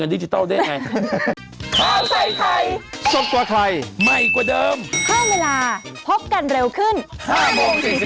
โปรดติดตามันที่๓มสวัสดีครับ